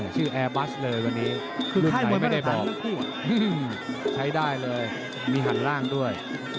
แอร์บัสเลยวันนี้รุ่นไหนไม่ได้บอกใช้ได้เลยมีหันล่างด้วย